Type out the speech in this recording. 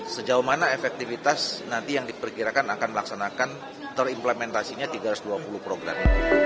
sejauh mana efektivitas nanti yang diperkirakan akan melaksanakan terimplementasinya tiga ratus dua puluh program ini